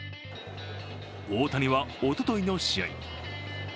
大谷はおとといの試合